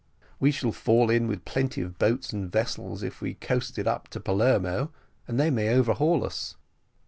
"We shall fall in with plenty of boats and vessels if we coast it up to Palermo, and they may overhaul us."